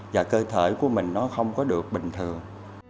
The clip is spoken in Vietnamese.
và cơ thể của mình nó không có được bình thường